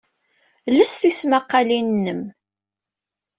Els tismaqqalin-nnem.